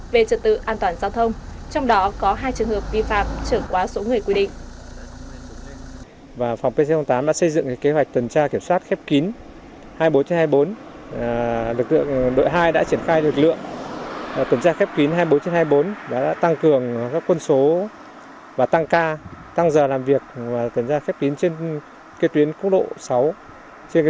về trật tự an toàn giao thông trong đó có hai trường hợp vi phạm trưởng quá số người quy định